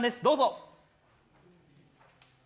どうぞ。